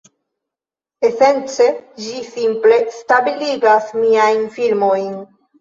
Esence ĝi simple stabiligas miajn filmojn.